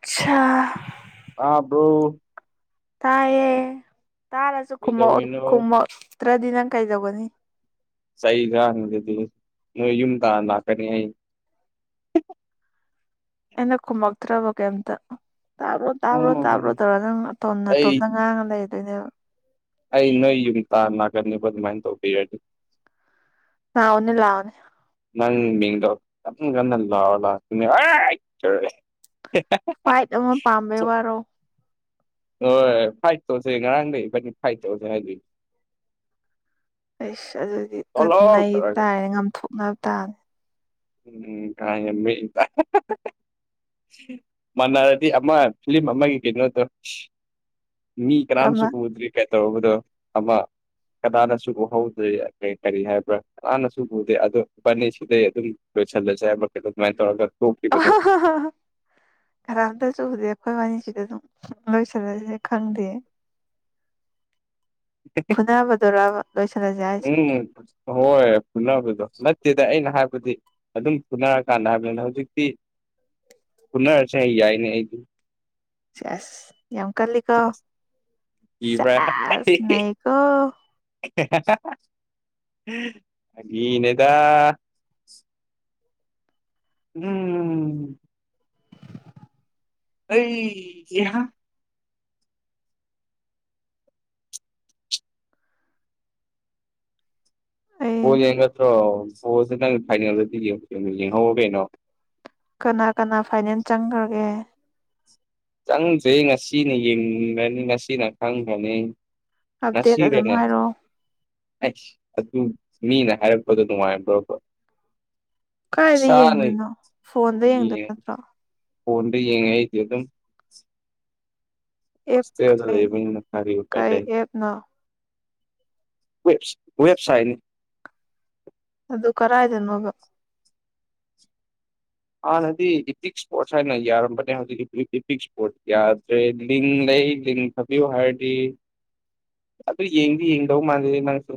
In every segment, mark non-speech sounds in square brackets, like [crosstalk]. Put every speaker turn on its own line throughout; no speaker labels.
ꯑꯆꯥ
ꯑꯥꯕ꯭ꯔꯣ
ꯇꯥꯏꯌꯦ ꯇꯥꯔꯁꯨ ꯈꯨꯝꯃꯛꯑꯣꯏ
ꯀꯩꯗꯧꯔꯤꯅꯣ
ꯈꯨꯝꯃꯛꯇ꯭ꯔꯗꯤ ꯅꯪ ꯀꯩꯗꯧꯒꯅꯤ
ꯆꯍꯤ ꯈꯥꯡꯗꯨꯗꯤ ꯅꯣꯏ ꯌꯨꯝ ꯇꯥꯟ ꯂꯥꯛꯀꯅꯤ ꯑꯩ
ꯏꯩꯅ ꯈꯨꯨꯃꯛꯇ꯭ꯔꯕ ꯀꯩꯝꯇ ꯇꯥꯕ ꯇꯥꯕ꯭ꯔꯣ ꯇꯥꯕ꯭ꯔꯣ
ꯎꯝ
ꯇꯧꯔꯒ ꯅꯪ
ꯑꯩ
ꯇꯣꯝꯅꯇꯣꯞꯅ ꯉꯥꯡꯉ ꯂꯩꯗꯣꯏꯅꯦꯕ
ꯑꯩ ꯅꯣꯏ ꯌꯨꯝ ꯇꯥꯟ ꯅꯥꯀꯅꯤꯕ ꯑꯗꯨꯃꯥꯏꯅ ꯇꯧꯕꯤꯔꯗꯤ
ꯥꯂꯥꯎꯅ‌ꯦ ꯂꯥꯎꯅꯦ
ꯅꯪ ꯃꯤꯡꯗꯣ ꯀ ꯀꯟꯗ ꯂꯥꯎ [unintelligible]
ꯐꯥꯏꯠ ꯑꯃ ꯄꯥꯝꯕꯩ ꯋꯥꯔꯣ
ꯍꯣꯏ ꯐꯥꯏꯠ ꯇꯧꯁꯦ ꯉꯔꯥꯡꯗ ꯏꯕꯥꯟꯅꯤ ꯐꯥꯏꯠ ꯇꯧꯔꯁꯦ ꯍꯥꯏꯗꯨꯏ
ꯑꯩꯁ ꯑꯗꯨꯗꯤ ꯀꯟ
ꯊꯣꯛꯂꯛꯑꯣ ꯇꯧꯔꯒ
ꯅꯩꯇꯥꯌꯦ ꯉꯥꯝꯊꯣꯛꯅꯕ ꯇꯥ
ꯎꯝ [unintelligible] ꯃꯥꯟꯅꯔꯗꯤ ꯑꯃ ꯐꯤꯂꯝ ꯑꯃꯒꯤ ꯀꯩꯅꯣꯗꯣ ꯃꯤ ꯀꯔꯥꯝꯁꯨ
ꯑꯃ
ꯎꯗꯔꯤ ꯀꯩꯇꯧꯔꯕꯅꯣ ꯑꯃ ꯀꯗꯥꯅꯁꯨ ꯎꯍꯧꯗ꯭ꯔꯦ ꯀꯔꯤ ꯀꯔꯤ ꯍꯥꯏꯕ꯭ꯔꯥ ꯀꯅꯥꯅꯁꯨ ꯎꯗꯦ ꯑꯗꯨ ꯏꯕꯥꯁꯤꯗꯩ ꯑꯗꯨꯝ ꯂꯣꯏꯁꯟꯂꯥꯁꯦ ꯍꯥꯏꯕꯔꯥ ꯀꯩꯅꯣ ꯀꯥꯃꯤꯟ ꯇꯧꯔꯒꯥ
[unintelligible] ꯈꯔ ꯑꯝꯇꯁꯨ ꯎꯗꯦ ꯑꯩꯈꯣꯏ ꯋꯥꯔꯤꯅꯤꯁꯤꯗ ꯑꯗꯨꯝ ꯂꯣꯏꯁꯤꯜꯂꯁꯦ ꯈꯪꯗꯦ ꯐꯨꯅꯕꯗꯨꯔꯥꯕ ꯂꯣꯏꯁꯤꯜꯂꯁꯦ ꯍꯥꯏꯁꯦ
ꯎꯝ ꯍꯣꯏ ꯄꯨꯅꯕꯗꯣ ꯅꯠꯇꯦꯗ ꯑꯩꯅ ꯍꯥꯏꯕꯗꯤ ꯑꯗꯨꯝ ꯄꯨꯅꯔꯀꯥꯟꯗ ꯍꯥꯏꯕꯅꯤꯅ ꯍꯧꯖꯤꯛꯇꯤ ꯄꯨꯅꯔꯁꯦ ꯌꯥꯏꯅꯦ ꯑꯩꯗꯤ
ꯆꯦꯁ ꯌꯥꯝ ꯀꯜꯂꯤ ꯀꯣ
ꯀꯤꯕ꯭ꯔꯥ
ꯆꯦꯁ ꯅꯩ ꯀꯣ
[unintelligible] ꯐꯥꯒꯤꯅꯦꯗ ꯎꯝ ꯑꯩ [unintelligible]
ꯑꯩ
ꯄꯣ ꯌꯦꯡꯒꯗ꯭ꯔꯣ ꯕꯣꯜꯁꯦ ꯅꯪ ꯐꯥꯏꯅꯦꯜꯗꯗꯤ ꯌꯦꯡ ꯌꯦꯡꯍꯧꯑꯣ ꯀꯩꯅꯣ
ꯀꯅꯥ ꯀꯅꯥ ꯐꯥꯏꯅ‌ꯦꯜ ꯆꯪꯈ꯭ꯔꯒꯦ
ꯆꯪꯗ꯭ꯔꯦ ꯉꯁꯤꯅ ꯌꯦꯡꯒꯅꯤ ꯉꯁꯤꯅ ꯈꯪꯈ꯭ꯔꯅꯤ
ꯑꯞꯗꯦꯠ ꯑꯗꯨꯝ
ꯅꯁꯤꯕꯅꯦ
ꯍꯥꯏꯔꯛꯑꯣ
ꯑꯁ ꯑꯗꯨ ꯃꯤꯅ ꯍꯥꯏꯔꯛꯄꯗꯣ ꯅꯨꯡꯉꯥꯏꯕ꯭ꯔꯣꯕ
ꯀꯥꯏꯗ ꯌꯦꯡꯗꯣꯏꯅꯣ ꯐꯣꯟꯗ ꯌꯦꯡꯗꯣꯏ ꯅꯠꯇ꯭ꯔꯣ
ꯐ‌ꯣꯟꯗ ꯌꯦꯡꯉ‌ꯦ ꯑꯩꯗꯤ ꯑꯗꯨꯝ
ꯑꯦꯞ
ꯍ‌ꯣꯁꯇ‌ꯦꯜꯗ
ꯀꯩ
ꯂꯩꯕꯅꯤꯅ ꯀꯔꯤ ꯎꯄꯥꯏ
ꯀꯩ
ꯂꯩ
ꯑꯦꯞꯅꯣ
ꯋꯦꯕꯁ ꯋꯦꯕꯁꯥꯏꯟ
ꯑꯗꯨ ꯀꯔꯥꯏꯗꯅ‌ꯣꯕ
ꯍꯥꯟꯅꯗꯤ ꯏꯄꯤꯛ ꯏꯁꯄꯣꯔꯠꯁ ꯍꯥꯏꯅ ꯌꯥꯔꯝꯕꯅꯦ ꯍꯧꯖꯤꯛ ꯏꯄꯤꯛ ꯏꯁꯄꯣꯔꯠ ꯌꯥꯗ꯭ꯔꯦ ꯂꯤꯡ ꯂꯩ ꯂꯤꯡ ꯊꯥꯕꯤꯌꯨ ꯍꯥꯏꯔꯗꯤ ꯑꯗꯨ ꯌꯦꯡꯗꯤ ꯌꯦꯡꯗꯧ ꯃꯥꯜꯂꯦ ꯅꯪꯁꯨ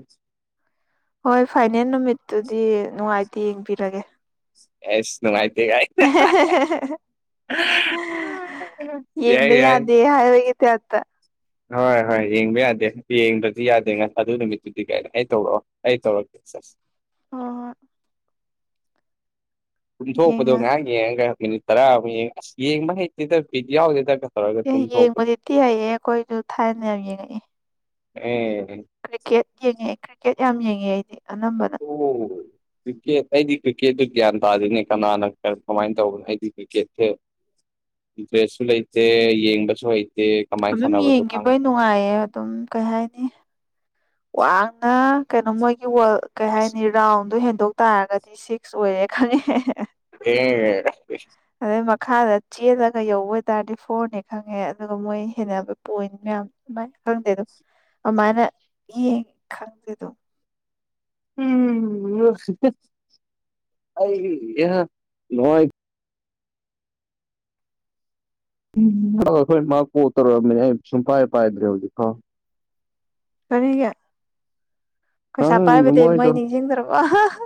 ꯍꯣꯏ ꯐꯥꯏꯅꯦꯜ ꯅꯨꯃꯤꯠꯇꯨꯗꯤ ꯅꯨꯡꯉꯥꯏꯇꯦ ꯌꯦꯡꯕꯤꯔꯒꯦ
ꯑꯦꯁ ꯅꯨꯡꯉꯥꯏꯇ‌ꯦ ꯀꯥꯏ ꯌꯥꯏ
ꯌꯦꯡꯗ
ꯌꯥꯏ
ꯌꯥꯗꯦ ꯍꯥꯏꯕꯒꯤ ꯇꯞꯇ
ꯍꯣꯏ ꯍꯣꯏ ꯌꯦꯡꯕ ꯌꯥꯗꯦ ꯌꯦꯡꯕꯗꯤ ꯌꯥꯗꯦ ꯉ ꯑꯗꯨ ꯅꯨꯃꯤꯠꯇꯨꯗꯤ ꯀꯥꯏꯅ ꯑꯩ ꯇꯧꯔꯛꯑꯣ ꯑꯩ ꯇꯧꯔꯛ ꯀꯦ ꯁꯦꯁ
ꯍ‌ꯣ ꯍ‌ꯣꯏ
ꯀꯨꯝꯊꯣꯛꯄꯗꯣ
ꯌꯦꯡꯉ
ꯉꯥꯏꯍꯥꯛ ꯌꯦꯡꯉꯒ ꯃꯤꯅꯤꯠ ꯇꯔꯥꯃꯨꯛ ꯌꯦꯡꯉ ꯑꯁ ꯌꯦꯡꯕ ꯍꯩꯛꯇꯦꯗ ꯄꯤꯠ ꯌꯥꯎꯗꯦꯗ
ꯑꯦ ꯌꯦꯡꯕꯗꯤ ꯊꯤ ꯍꯩꯍ‌ꯦ ꯑꯩꯈꯣꯏꯁꯨ ꯊꯥꯏꯅ ꯌꯥꯝ ꯌꯦꯡꯉꯛꯏ
ꯑꯦ
ꯀ꯭ꯔꯤꯛꯀꯦꯠ ꯌꯦꯡꯉꯛꯦ ꯀ꯭ꯔꯤꯛꯀꯦꯠ ꯌꯥꯝ ꯌꯦꯡꯉꯦ ꯑꯩꯗꯤ ꯑꯅꯝꯕꯅ
ꯑꯣ ꯀ꯭ꯔꯤꯀꯦꯠ ꯑꯩꯗꯤ ꯀ꯭ꯔꯤꯛꯀꯦꯠꯇ ꯒ꯭ꯌꯥꯟ ꯇꯥꯗ‌ꯦꯅꯦ ꯀꯅꯥꯅ ꯀꯃꯥꯏꯅ ꯇꯧꯕꯅꯣ ꯑꯩꯗꯤ ꯀꯦ ꯏꯟꯇꯔꯦꯁꯁꯨ ꯂꯩꯇꯦ ꯌꯦꯡꯕꯁꯨ ꯍꯩꯇꯦ ꯀꯃꯥꯏꯅ
ꯑꯗꯨꯝ
ꯁꯥꯟꯅꯕꯁꯨ
ꯌꯦꯡꯈꯤꯕꯩ
ꯈꯪꯗꯦ
ꯅꯨꯡꯉꯥꯏꯌꯦ ꯑꯗꯨꯝ ꯀꯩ ꯍꯥꯏꯅꯤ ꯋꯥꯡꯅ ꯀꯩꯅꯣ ꯃꯣꯏꯒꯤ ꯋꯜ ꯀꯩ
ꯑꯁ
ꯍꯥꯏꯅꯤ ꯔꯥꯎꯟꯗꯣ ꯍꯦꯟꯗꯣꯛ ꯇꯥꯔꯒꯗꯤ ꯁꯤꯛꯁ ꯑꯣꯏꯌꯦ ꯈꯪꯉꯦ ꯍꯦ ꯍꯦ ꯑꯍꯦ
ꯑꯦ
ꯑꯗꯩ ꯃꯈꯥꯗ ꯆꯦꯜꯂꯒ ꯌꯧꯕ ꯑꯣꯏꯇꯥꯔꯗꯤ ꯐꯣꯔꯅꯦ ꯈꯪꯉꯦ ꯑꯗꯨꯒ ꯃꯣꯏ ꯍꯦꯟꯅꯕ ꯄꯣꯏꯟ ꯃꯌꯥꯝ ꯃꯥꯏ ꯈꯪꯗꯦꯗꯣ ꯑꯃꯥꯢꯅ ꯌꯦꯡꯉꯦ ꯈꯪꯗꯦꯗꯣ
ꯎꯝ ꯑꯩ ꯂꯉ ꯅꯣꯢ ꯑꯩ ꯁꯨꯡꯄꯥꯏ ꯄꯥꯏꯗ꯭ꯔꯦ ꯍꯧꯖꯤꯛꯀꯣ
ꯀꯔꯤꯒꯤ ꯄꯩꯁꯥ
ꯈꯪꯗꯦ
ꯄꯥꯏꯕꯗꯩ ꯃꯣꯢ
ꯃꯣꯏꯗꯣ
ꯅꯤꯡꯁꯤꯡꯗ꯭ꯔꯕꯣ ꯍꯥ ꯍꯥ ꯍꯥ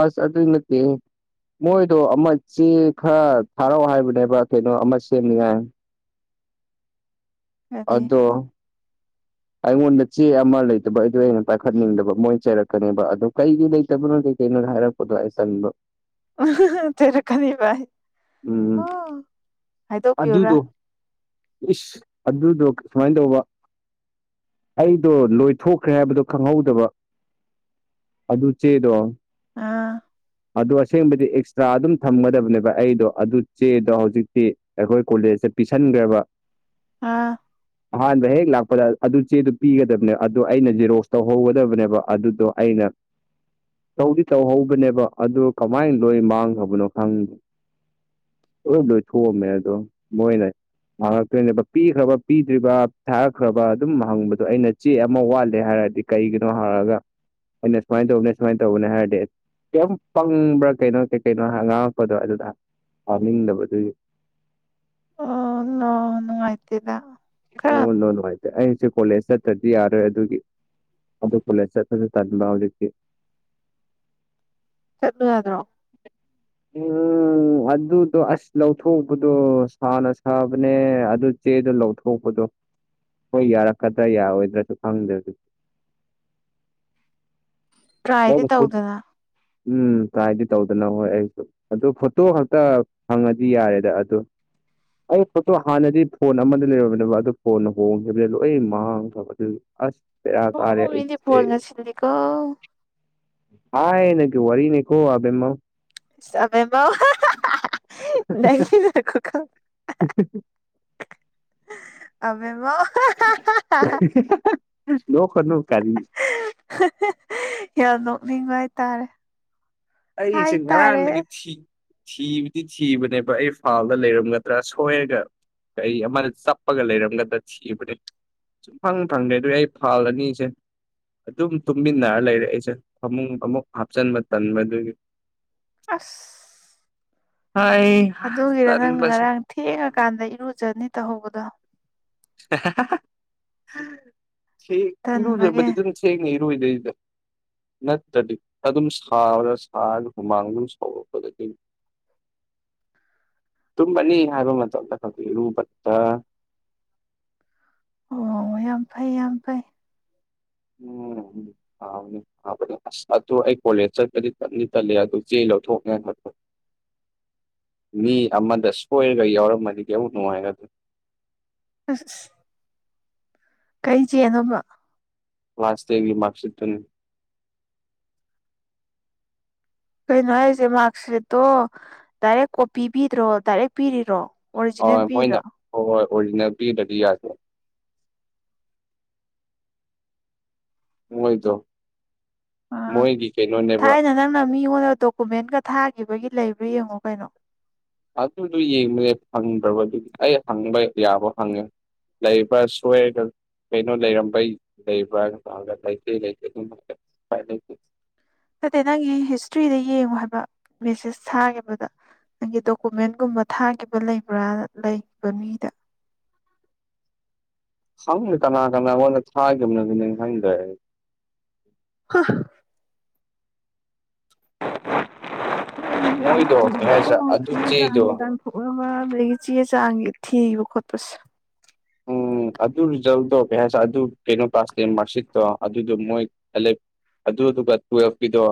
ꯑꯁ ꯑꯗꯨ ꯅꯠꯇꯦ ꯍꯦ ꯃꯣꯏꯗꯣ ꯑꯃ ꯆꯦ ꯈꯔ ꯊꯥꯔꯛꯑꯣ ꯍꯥꯏꯕꯅꯦꯕ ꯑꯃ ꯀꯩꯅꯣ ꯑꯃ ꯁꯦꯝꯅꯤꯉꯥꯏ
ꯀꯔꯤ
ꯑꯗꯣ ꯑꯩꯉꯣꯟꯗ ꯆꯦ ꯑꯃ ꯂꯩꯇꯕ ꯑꯩꯗꯣ ꯑꯩꯅ ꯄꯥꯏꯈꯠꯅꯤꯡꯗꯕ ꯃꯣꯏꯅ ꯆꯩꯔꯛꯀꯅꯦꯕ ꯑꯣ ꯀꯩꯒꯤ ꯂꯩꯇꯕꯅꯣ ꯀꯩ ꯀꯅꯣ ꯍꯥꯏꯔꯛꯄ ꯈꯨꯗꯥꯏ ꯆꯟꯗ
ꯎ ꯆꯩꯔꯛꯀꯅꯤ ꯚꯥꯏ
ꯎꯝ
ꯑꯣ ꯍꯥꯏꯗꯣꯛꯄꯤꯌ‌ꯣꯔꯥ
ꯑꯗꯨꯗꯣ ꯏꯁ ꯑꯗꯨꯗꯣ ꯁꯨꯃꯥꯏꯅ ꯇꯧꯕ ꯑꯩꯗꯣ ꯂꯣꯏꯊꯣꯛꯈ꯭ꯔꯦ ꯍꯥꯏꯕꯗꯣ ꯈꯪꯍꯧꯗꯕ ꯑꯗꯨ ꯆ‌ꯦꯗꯣ
ꯑꯥ
ꯑꯗꯣ ꯑꯁꯦꯡꯕꯗꯤ ꯑꯦꯛꯁꯇ꯭ꯔꯥ ꯑꯗꯨꯝ ꯊꯝꯒꯗꯕꯅꯦꯕ ꯑꯩꯗꯣ ꯑꯗꯨ ꯆꯦꯗꯣ ꯍꯧꯖꯤꯛꯇꯤ ꯑꯩꯈꯣꯏ ꯀꯣꯂꯦꯖꯗ ꯄꯤꯁꯟꯒ꯭ꯔꯕ
ꯑꯥ
[unintelligible] ꯑꯍꯥꯟꯕ ꯍꯦꯛ ꯂꯥꯛꯄꯗ ꯑꯗꯨ ꯆꯦꯗꯨ ꯄꯤꯒꯗꯕꯅꯦ ꯑꯗꯨ ꯑꯩꯅ ꯖꯦꯔꯣꯛꯁ ꯇꯧꯍꯧꯒꯗꯕꯅꯦꯕ ꯑꯗꯨꯗꯣ ꯑꯩꯅ ꯇꯧꯗꯤ ꯇꯧꯍꯧꯕꯅꯦꯕ ꯑꯗꯨ ꯀꯃꯥꯏꯟ ꯂꯣꯏ ꯃꯥꯡꯒ꯭ꯔꯕꯅꯣ ꯈꯪ ꯂꯣꯏ ꯂꯣꯏꯊꯣꯛꯑꯝꯃꯦ ꯑꯗꯣ ꯃꯣꯏꯅ ꯃꯥꯡꯉꯛꯇꯣꯏꯅꯦꯕ ꯄꯤꯈ꯭ꯔꯕ ꯄꯤꯗ꯭ꯔꯤꯕ ꯊꯥꯔꯛꯈ꯭ꯔꯕ ꯑꯗꯨꯝ ꯍꯪꯕꯗꯣ ꯑꯩꯅ ꯆꯦ ꯑꯃ ꯋꯥꯠꯂꯦ ꯍꯥꯏꯔꯗꯤ ꯀꯩꯒꯤꯅꯣ ꯍꯡꯉꯒ ꯑꯩꯅ ꯁꯨꯃꯥꯏꯟ ꯇꯧꯕꯅꯦ ꯁꯨꯃꯥꯏꯟ ꯇꯧꯕꯅꯦ ꯍꯥꯏꯔꯗꯤ ꯀꯩꯝ ꯄꯪꯕ꯭ꯔꯥ ꯀꯩꯅꯣ ꯀꯩ ꯀꯩꯅꯣ ꯉꯥꯡꯉꯛꯄꯗꯣ ꯑꯗꯨꯗ ꯄꯥꯅꯤꯡꯗꯕꯗꯨꯢ
ꯑꯣ ꯅꯣ ꯅꯨꯉꯥꯢꯇꯦꯗ
ꯑꯣ ꯅꯣ ꯅꯨꯡꯉꯥꯢꯇꯦ ꯑꯩꯁꯨ ꯀꯣꯂꯦꯖ ꯆꯠꯇꯗꯤ ꯌꯥꯔꯣꯏ ꯑꯗꯨꯒꯤ ꯑꯗꯨ ꯀꯣꯂꯦꯖ ꯆꯠꯄꯁꯨ ꯇꯟꯕ ꯍꯧꯖꯤꯛꯇꯤ
ꯆꯠꯂꯨ ꯌꯥꯗ꯭ꯔꯣ
ꯎꯝ ꯎꯝ ꯑꯗꯨꯗꯣ ꯑꯁ ꯂꯧꯊꯣꯛꯄꯗꯣ ꯁꯥꯅ ꯁꯥꯕꯅꯦ ꯑꯗꯨ ꯆꯦꯗꯨ ꯂꯧꯊꯣꯛꯄꯗꯣ꯫ ꯍꯣꯏ ꯌꯥꯔꯛꯀꯗ꯭ꯔꯥ ꯌꯥꯔꯣꯏꯗ꯭ꯔꯥꯁꯨ ꯈꯪꯗ꯭ꯔꯦꯗꯤ꯫ ꯅꯪ
ꯇ꯭ꯔꯥꯏꯗꯤ
ꯗꯣ ꯐꯨꯠ
ꯇꯧꯗꯅ
ꯎꯝ ꯇꯔ꯭ꯥꯏꯗꯤ ꯇꯧꯗꯅ ꯍꯣꯏ ꯑꯩꯁꯨ ꯑꯗꯨ ꯐꯣꯇꯣ ꯈꯛꯇ ꯐꯪꯉꯗꯤ ꯌꯥꯔꯦꯗ ꯑꯗꯨ꯫ ꯑꯩ ꯐꯣꯇꯣ ꯍꯥꯟꯅꯗꯤ ꯐꯣꯟ ꯑꯃꯗ [unintelligible] ꯑꯗꯨ ꯐꯣꯟꯅ ꯍꯣꯡꯈꯤꯕꯗꯩ ꯂꯣꯏ ꯃꯥꯡꯈ꯭ꯔꯕ ꯑꯗꯨ ꯑꯁ ꯄꯦꯔꯥ ꯀꯥꯔꯦ ꯑꯩ ꯇꯤ
ꯀꯣ꯫
ꯍꯥꯥꯢ ꯅꯪꯒꯤ ꯋꯥꯔꯤꯅꯦꯀꯣ ꯑꯕꯦꯝꯃꯧ꯫
[unintelligible]
ꯍꯤꯍꯦꯍꯦ
ꯑꯕꯦꯝꯃꯧ
ꯍꯤꯍꯥꯍꯥꯍꯥ ꯅꯣꯛꯀꯅꯣ ꯀꯔꯤ
ꯍꯥꯍꯦꯍꯤ ꯌꯥꯝ ꯅꯣꯛꯅꯤꯡꯕ ꯍꯥꯏꯇꯥꯔꯦ꯫
ꯑꯩ ꯁꯦ ꯉꯔꯥꯡꯗꯒꯤ
ꯍꯥꯏꯇꯥꯔꯦ
ꯊꯤ ꯊꯤꯕꯗꯤ ꯊꯤꯕꯅꯦꯕ ꯑꯩ ꯐꯥꯜꯗ ꯂꯩꯔꯝꯒꯗ꯭ꯔꯥ ꯁꯣꯏꯔꯒ ꯀꯩ ꯑꯃꯗ ꯆꯞꯄꯒ ꯂꯩꯔꯝꯒꯗ꯭ꯔ ꯊꯤꯕꯅꯦ ꯁꯨꯡꯐꯪ ꯐꯪꯗꯦ ꯑꯗꯨꯅꯦ ꯑꯩ ꯐꯥꯢꯜ ꯑꯅꯤꯁꯦ꯫ ꯑꯗꯨꯝ ꯇꯨꯝꯃꯤꯟꯅꯔ ꯂꯩꯔꯦ ꯑꯩꯁꯦ ꯐꯃꯨꯡ ꯑꯃꯨꯛ ꯍꯥꯞꯆꯤꯟꯕ ꯇꯟꯕ ꯑꯗꯨꯒꯤ
ꯑꯁ
ꯍ [unintelligible]
ꯑꯗꯨꯒꯤꯔ ꯅꯪꯅ ꯉꯔꯥꯡ ꯊꯦꯡꯉꯀꯥꯟꯗ ꯏꯔꯨꯖꯅꯤ ꯇꯧꯍꯧꯕꯗꯣ
ꯏꯔꯖ
ꯇꯟꯕꯒꯤ
ꯑꯗꯨ ꯅ ꯏꯔꯨ ꯂꯩꯗ ꯅꯠꯇ꯭ꯔꯗꯤ ꯑꯗꯨꯝ ꯁꯥꯔ ꯁꯥꯔꯒ ꯍꯨꯃꯥꯡ ꯑꯗꯨꯝ ꯁꯥꯎꯔꯛꯄꯗꯗꯒꯤ ꯇꯨꯝꯕꯅꯤ ꯍꯥꯏꯕ ꯃꯇꯝꯗ ꯈꯔꯨꯕꯗ
ꯑꯣ ꯌꯥꯝ ꯐꯩ ꯌꯥꯝ ꯐꯩ
ꯎꯝ ꯍꯥꯎꯅꯦ ꯍꯥꯎ ꯑꯗꯨ ꯑꯁ ꯑꯗꯨ ꯑꯩ ꯀꯣꯂꯦꯖ ꯆꯠꯄꯗꯤ ꯇꯟꯗꯤ ꯇꯟꯂꯦ ꯑꯗꯨ ꯆꯦ ꯂꯧꯊꯣꯛꯅꯤ ꯍꯥꯏ ꯃꯤ ꯑꯃꯗ ꯁꯣꯏꯔꯒ ꯌꯥꯎꯔꯝꯃꯗꯤ [unintelligible] ꯅꯨꯡꯉꯥꯏ
ꯑꯁ ꯀꯩ ꯆꯦꯅꯣꯕ꯫
ꯀꯂ꯭ꯥꯁ ꯇꯦꯟꯒꯤ ꯃꯥꯔꯛꯁꯤꯠꯇꯨꯅꯤ
ꯀꯩꯅꯣ ꯍꯥꯏꯔꯤꯁꯦ ꯃꯥꯔꯛꯁꯤꯠꯇꯣ ꯗꯥꯏꯔꯦꯛ ꯀꯣꯄꯤ ꯄꯤꯗ꯭ꯔꯣ ꯗꯥꯏꯔꯦꯛ ꯄꯤꯔꯤꯔꯣ꯫ ꯑꯣꯔꯤꯖꯤꯅꯦꯜ
ꯑꯣꯢ ꯃꯣꯏꯅ
ꯄꯤꯔꯤꯔꯣ
ꯑꯣꯢ ꯑꯣꯔꯤꯖꯤꯅꯦꯜ ꯄꯤꯗ꯭ꯔꯗꯤ ꯌꯥꯗꯦ ꯃꯣꯢꯗꯣ꯫
ꯑꯥ ꯊꯥꯏꯅ ꯅꯪꯅ ꯃꯤꯉꯣꯟꯗ ꯗꯣꯀꯨꯃꯦꯟꯒ ꯊꯥꯈꯤꯕꯒꯤ ꯂꯩꯕ꯭ꯔꯥ ꯌꯦꯡꯉꯣ ꯀꯩꯅꯣ꯫
ꯑꯗꯨꯗꯣ ꯌꯦꯡꯕꯅꯦ ꯐꯪꯗꯕꯒꯤ ꯑꯗꯨꯒꯤ ꯑꯩ ꯍꯪꯕ ꯌꯥꯕ ꯍꯪꯉꯦ꯫ ꯂꯏ ꯐꯥꯁ ꯁꯨꯑꯒ ꯀꯩꯅꯣ ꯂꯩꯔꯝꯕꯩ ꯂꯩꯕ꯭ꯔꯥꯒ ꯂꯩꯇꯇꯩ ꯂꯩꯇꯒꯥꯏ ꯂꯩꯇꯦ
ꯆꯠꯇꯦ ꯅꯪꯒꯤ ꯍꯤꯁꯇ꯭ꯔꯤꯗ ꯌꯦꯡꯉꯣ ꯍꯥꯏꯕ ꯃꯦꯁꯦꯁ ꯊꯥꯈꯤꯕꯗ ꯑꯩꯒꯤ ꯗꯣꯀꯨꯃꯦꯟꯒꯨꯝꯕ ꯊꯥꯈꯤꯕ ꯂꯩꯕ꯭ꯔꯥ ꯂꯩꯈꯤꯕ ꯃꯤꯗ
ꯈꯪꯗꯦ ꯀꯅꯥ ꯀꯅꯥ ꯑꯩꯣꯟꯗ ꯊꯥꯈꯤꯕꯅ ꯅꯪ ꯈꯪꯗ꯭ꯔꯦ
ꯍꯥ [inaudible]
ꯃꯣꯏꯗꯣ ꯀꯩ ꯍꯥꯏꯁꯤꯔ ꯑꯗꯨ ꯆꯦꯗꯣ
ꯄꯣꯛ ꯑꯃ ꯑꯗꯒꯤ ꯆꯦ ꯆꯥꯡꯒꯤ ꯊꯤꯕ ꯈꯣꯠꯄꯁꯨ
ꯎꯝ ꯑꯗꯨ ꯔꯤꯖꯜꯗꯣ ꯀꯩ ꯍꯥꯏꯦ ꯑꯗꯨ ꯀꯩꯅꯣ ꯇꯥꯁ ꯃꯥꯔꯛꯁꯤꯠꯇꯣ ꯑꯗꯨꯗꯣ ꯃꯣꯏ ꯂꯚ ꯑꯗꯨꯗꯨꯒ ꯇꯨꯋꯦꯜꯐꯀꯤꯗꯣ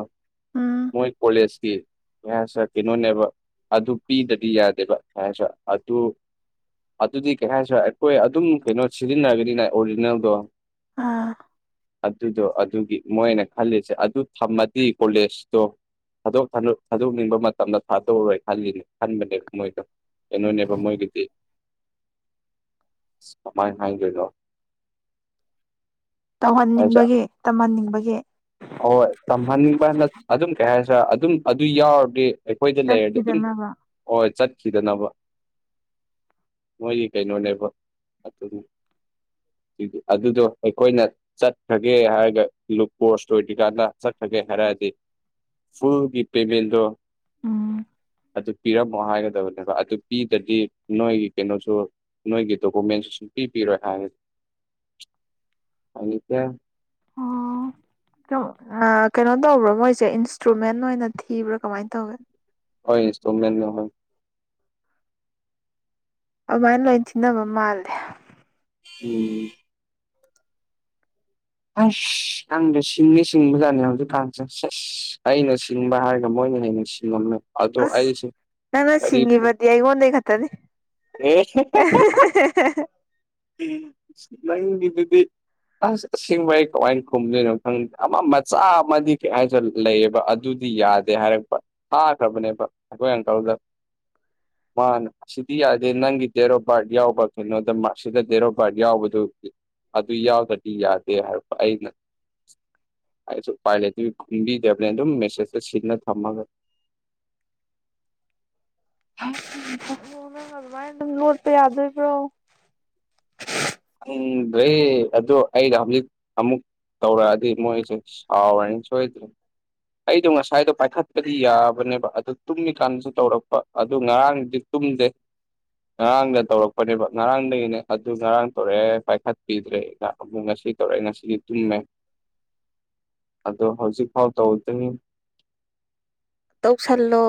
ꯎꯝ
ꯃꯣꯏ ꯀꯣꯂꯦꯖꯀꯤ ꯌꯥꯁ ꯀꯩꯅꯣꯅꯦꯕ ꯑꯗꯨ ꯄꯤꯗꯗꯤ ꯌꯥꯗꯦꯕꯁ ꯑꯗꯨ ꯑꯗꯨꯗꯤ ꯀꯩ ꯍꯥꯏꯥꯏꯁꯨ ꯑꯩꯈꯣꯏ ꯑꯗꯨꯝ ꯀꯩꯅꯣ ꯁꯤꯖꯤꯟꯅꯒꯅꯤꯅ ꯑꯣꯔꯤꯖꯤꯅꯦꯜꯗꯣ
ꯑꯥ
ꯑꯗꯨꯗꯣ ꯑꯗꯨꯒꯤ ꯃꯣꯏꯅ ꯈꯜꯂꯤꯁꯦ ꯑꯗꯨ ꯊꯝꯃꯗꯤ ꯀꯣꯂꯦꯖꯇꯣ ꯊꯥꯗꯣꯛ ꯊ ꯊꯥꯗꯣꯛꯅꯤꯡꯕ ꯃꯇꯝꯗ ꯊꯥꯗꯣꯛꯔꯣꯏ ꯈꯜꯂꯤꯅꯦ ꯈꯟꯕꯅꯦꯕ ꯃꯣꯏꯗꯣ ꯑꯦ ꯅꯣꯏꯅꯦꯕ ꯃꯣꯏꯒꯤꯗꯤ ꯁꯃꯥꯏꯅ ꯍꯥꯏ ꯀꯗꯣ ꯍꯥꯏꯁꯦ
ꯇꯧꯍꯟꯅꯤꯡꯕꯒꯤ ꯇꯝꯍꯟꯅꯤꯡꯕꯒꯤ
ꯍꯣꯏ ꯇꯝꯍꯟꯅꯤꯡꯕꯅ ꯑꯗꯨꯝ ꯀꯩ ꯍꯥꯏꯁꯤꯔꯥ ꯑꯗꯨꯝ ꯑꯗꯨ ꯌꯥꯎꯔꯗꯤ ꯑꯩꯈꯣꯏꯗ ꯂꯩꯔꯗꯤ ꯑꯗꯨꯝ
ꯆꯠꯈꯤꯗꯅꯕ
ꯍꯣꯏ ꯆꯠꯈꯤꯗꯅꯕ ꯃꯣꯏꯒꯤ ꯀꯩꯅꯣꯅꯦꯕ ꯑꯗꯨ ꯑꯗꯨꯗꯣ ꯑꯩꯈꯣꯏꯅ ꯆꯠꯈ꯭ꯔꯒꯦ ꯍꯥꯏꯔꯒ ꯂꯨ ꯀꯣꯔꯣꯁꯇ ꯑꯣꯏꯗ꯭ꯔꯤꯀꯥꯟꯗ ꯆꯠꯈ꯭ꯔꯒꯦ ꯍꯥꯏꯔꯛꯑꯗꯤ ꯐꯨꯜ ꯒꯤꯞ ꯄꯦꯕꯗꯣ
ꯎꯝ
ꯑꯗꯨ ꯄꯤꯔꯝꯃꯣ ꯍꯥꯏꯒꯗꯕꯅꯦꯕꯣ ꯑꯗꯨ ꯄꯤꯗ꯭ꯔꯗꯤ ꯅꯣꯏꯒꯤ ꯀꯩꯅꯣꯁꯨ ꯅꯣꯏꯒꯤ ꯗꯣꯀꯨꯃꯦꯟꯁ ꯁꯨꯝ ꯄꯤ ꯄꯤꯔꯣꯏ ꯍꯥꯏꯔꯁꯦ ꯍꯥꯏꯅꯤꯁꯦ
ꯀꯩꯅꯣ ꯇꯧꯕ꯭ꯔꯣ ꯃꯣꯏꯁꯦ ꯏꯟꯁꯇ꯭ꯔꯨꯃꯦꯟ ꯑꯣꯏꯅ ꯊꯤꯕ꯭ꯔꯥ ꯀꯃꯥꯏꯅ ꯇꯧꯒꯦ
ꯍꯣꯏ ꯏꯟꯁꯇꯣꯜꯃꯦꯟ ꯅ ꯍꯣꯏ
ꯑꯗꯨꯃꯥꯏꯅ ꯂꯣꯏ ꯊꯤꯟꯅꯕ ꯃꯥꯜꯂꯦ
ꯎꯝ ꯑꯁ ꯅꯪꯗ ꯁꯤꯡꯉꯤ ꯁꯤꯡꯕ ꯖꯥꯠꯅꯤ ꯍꯧꯖꯤꯛ ꯐꯥꯟꯁꯦ ꯑꯁ ꯑꯩꯅ ꯁꯤꯡꯕ ꯍꯥꯏꯔꯒ ꯃꯣꯏꯅ ꯍꯩꯅꯁꯤ ꯖꯤꯟꯅ
ꯑꯁ ꯅꯥꯟ ꯍꯤꯡꯤꯕꯗꯤ ꯑꯩꯒꯣꯟꯗꯩꯠꯇꯗꯤ
ꯅꯪꯒꯤꯗꯨꯗꯤ ꯑ ꯁꯤꯡꯕ ꯑꯩ ꯀꯃꯥꯏꯅ ꯈꯨꯝꯗꯣꯏꯅꯣ ꯈꯪꯗꯦ ꯑꯃ ꯃꯆꯥ ꯑꯃꯗꯤ ꯀꯩ ꯍꯥꯏꯁꯨ ꯂꯩꯌꯦꯕ ꯑꯗꯨꯗꯤ ꯌꯥꯗꯦ ꯍꯥꯏꯔꯛꯄ ꯊꯥꯈ꯭ꯔꯕꯅꯦꯕ ꯑꯩꯈꯣꯏ ꯑꯪꯀꯜꯗ ꯃꯥ ꯁꯤ ꯌꯥꯗꯦ ꯅꯪꯒꯤ ꯇꯦꯔꯣꯕꯥꯔꯠ ꯌꯥꯎꯕ ꯀꯩꯅꯣꯗ ꯃꯥꯁꯤꯗ ꯇꯦꯔꯣꯕꯥꯔꯠ ꯌꯥꯎꯕꯗꯨ ꯑꯗꯨ ꯌꯥꯎꯗꯗꯤ ꯌꯥꯗꯦ ꯍꯥꯏ ꯑꯩꯅ ꯄꯥꯏꯂꯦꯒꯨꯝꯕꯤ ꯗꯦꯕꯅꯦ ꯑꯗꯨꯝ ꯃꯦꯁꯦꯖ ꯁꯤꯟꯅ ꯊꯝꯃꯒ ꯑ
ꯅꯪ ꯑꯗꯨꯃꯥꯏꯅ ꯑꯗꯨꯝ ꯂꯣꯠꯄ ꯌꯥꯗꯣꯏꯕ꯭ꯔꯣ
ꯅꯦ ꯑꯗꯨ ꯑꯩ ꯍꯧꯖꯤꯛ ꯑꯃꯨꯛ ꯇꯧꯔꯛꯑꯗꯤ ꯃꯣꯏꯁꯦ ꯁꯥꯎꯔꯦꯅꯤ ꯁꯣꯏꯗ꯭ꯔꯦ ꯑꯩꯗꯣ ꯉꯁꯥꯏꯗꯣ ꯄꯥꯏꯈꯠꯄꯗꯤ ꯌꯥꯕꯅꯦꯕ ꯑꯗꯨ ꯇꯨꯝꯃꯤꯀꯥꯟꯗꯁꯨ ꯇꯧꯔꯛꯄ ꯑꯗꯨ ꯉꯔꯥꯡꯗꯤ ꯇꯨꯝꯗꯦ ꯉꯔꯥꯡꯗ ꯇꯧꯔꯛꯄꯅꯦꯕ ꯉꯔꯥꯡꯗꯒꯤꯅꯦ ꯑꯗꯨ ꯉꯔꯥꯡ ꯇꯧꯔꯦ ꯄꯥꯏꯈꯠꯄꯤꯗ꯭ꯔꯦ ꯑꯃ ꯉꯁꯤ ꯇꯧꯔꯦ ꯉꯁꯤꯗꯤ ꯇꯨꯝꯃꯦ ꯑꯗꯣ ꯍꯧꯖꯤꯛ ꯐꯥꯎ ꯇꯧꯗꯅꯤ
ꯇꯧꯁꯜꯂꯣ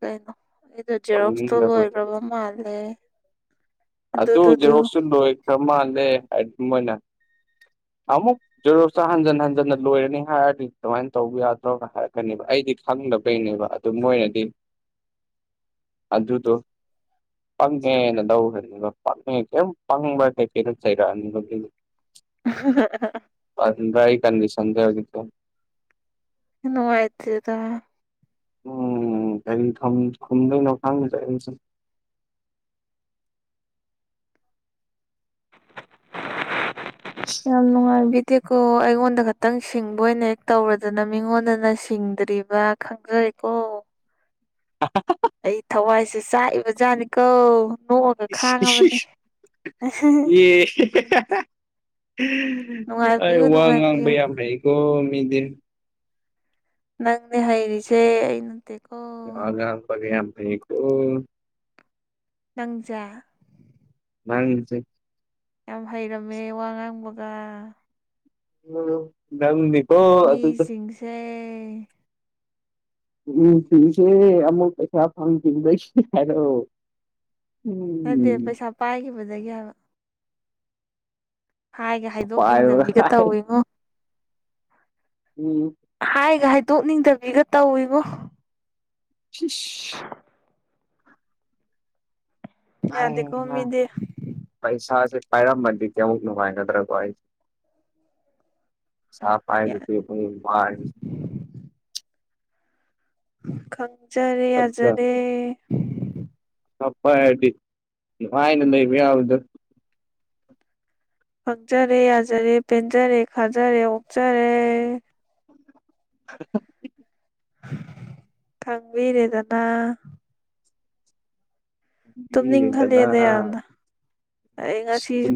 ꯀꯩꯅꯣ ꯑꯩꯗꯣ ꯖꯦꯔꯣꯛꯁꯇꯣ
ꯇꯧꯅꯤꯡꯗꯕꯗꯣ
ꯂꯣꯏꯈ꯭ꯔꯕ ꯃꯥꯜꯂꯦ
ꯑ
ꯑꯗꯨꯗꯨꯗꯨ
ꯑꯗꯨꯖꯔꯣꯁꯨ ꯂꯣ ꯈ꯭ꯔꯔ ꯃꯥꯦ ꯃꯅ ꯑꯃꯨꯛ ꯖꯦꯔꯣꯁ ꯍꯟꯖꯟ ꯍꯟꯖꯟꯅ ꯂꯣꯏꯔꯅꯤ ꯍꯥꯏꯔꯗꯤ ꯀꯃꯥꯏꯅ ꯇꯧꯕ ꯌꯥꯗ꯭ꯔꯣꯅ ꯍꯥꯏꯔꯛꯀꯅꯦꯕ ꯑꯩꯗꯤ ꯈꯪꯗꯕꯩꯅꯦꯕ ꯑꯗꯨ ꯃꯣꯏꯅꯗꯤ ꯑꯗꯨꯗꯣ ꯐꯪꯉꯦꯅ ꯂꯧꯧꯈ꯭ꯔꯅꯤꯕ ꯐꯪꯉꯦ ꯀꯩꯝ ꯄꯪꯕ ꯀꯩ ꯀꯩꯗꯣ ꯆꯩꯔꯛꯑꯅꯤꯕꯗꯤ
[unintelligible]
ꯄꯟ ꯑꯩ ꯀꯟꯁꯟꯗꯒ
ꯅꯣꯥꯏꯇꯗ
ꯎꯝ ꯀꯔꯤ ꯈꯨꯝꯗꯣꯏꯅꯣ ꯈꯥꯡꯕ ꯆ
ꯌꯥꯝꯅꯅꯨꯡꯉꯥꯏꯕꯤ ꯇꯦꯀꯣ ꯑꯩꯉꯣꯟꯗ ꯈꯛꯇꯪ ꯁꯤꯡꯕ ꯑꯣꯏꯅ ꯍꯦꯛ ꯇꯧꯔꯗꯅ ꯃꯤꯉꯣꯟꯗꯅ ꯁꯤꯡꯗ꯭ꯔꯤꯕ ꯈꯪꯖꯔꯦꯀꯣ
[unintelligible]
ꯑꯩ ꯊꯋꯥꯏꯁꯦ ꯆꯥꯛꯏꯕ ꯖꯥꯠꯅꯤ ꯀꯣ ꯅꯣꯛ
ꯌꯦ ꯑꯩ
ꯅꯨꯡꯉꯥꯏꯕꯤꯌꯨ
ꯋꯥ ꯉꯥꯡꯕ
ꯅꯨꯡꯉꯥꯏꯕꯤꯌꯨ
ꯌꯥꯝ ꯍꯩꯀꯣ ꯃꯤꯗꯤ
ꯅꯪꯅꯦ ꯍꯩꯔꯤꯁꯦ ꯇꯀꯣ [inaudible]
ꯋꯥ ꯉꯥꯡꯕꯒ ꯌꯥꯝ ꯍꯩꯀꯣ
ꯅꯪꯖꯦ
ꯅꯪꯁꯦ
ꯌꯥꯝ ꯍꯩꯔꯝꯃꯦ ꯋꯥ ꯉꯥꯡꯕꯒ
ꯎꯝ ꯅꯪ
ꯃꯤꯁꯤꯡꯁꯦ
ꯃꯤꯁꯤꯡꯁꯦ ꯑꯃꯨꯛ ꯄꯩꯁꯥ ꯐꯪꯈꯤꯕꯗꯩ ꯍꯥꯢꯔꯛꯑꯣ
ꯅꯠꯇꯦ ꯄꯩꯁꯥ ꯄꯥꯏꯈꯤꯕꯗꯒꯤ ꯍꯥꯏꯕ ꯍꯥꯏꯒ
ꯄꯥꯏꯕ
ꯍꯥꯏꯗꯣꯛꯅꯤꯡꯗꯕꯤꯒ ꯇꯧꯋꯤꯉꯣ
ꯎꯝ
ꯍꯥꯏꯒ ꯍꯥꯏꯗꯣꯛꯅꯤꯡꯗꯕꯤꯒ ꯇꯧꯋꯦꯕꯣ
ꯑ [inaudible]
ꯌꯥꯗꯦꯀꯣ
ꯍꯩꯍꯥ
ꯃꯤꯗꯤ
ꯄꯩꯁꯥꯁꯦ ꯄꯥꯏꯔꯝꯃꯗꯤ ꯀꯌꯥꯃꯨꯛ ꯅꯨꯡꯉꯥꯢꯒꯗ꯭ꯔ ꯑꯩꯁꯦ ꯁꯥꯐꯥꯏꯗ ꯇ ꯃꯥ [inaudible]
ꯈꯪꯖꯔꯦ
ꯄꯩꯁꯥ
ꯌꯥꯖꯔꯦ
ꯄꯥꯏꯔꯗꯤ ꯅꯨꯉꯥꯏꯅ ꯂꯩꯕ ꯌꯥꯕꯗꯨ
ꯈꯪꯖꯔꯦ ꯌꯥꯖꯔꯦ ꯄꯦꯟꯖꯔꯦ ꯈꯥꯖꯔꯦ ꯑꯣꯛꯆꯔꯦ
[unintelligible]
ꯈꯪꯕꯤꯔꯦꯗꯅ ꯇꯨꯝꯅꯤꯡ
ꯄꯤꯕꯤꯔꯦꯗꯅ
ꯈꯠꯂꯛꯑꯦꯗ ꯌꯥꯝꯅ ꯑꯩ ꯉꯁꯤꯁꯨ